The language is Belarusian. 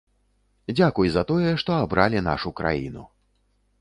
Дзякуй за тое, што абралі нашу краіну.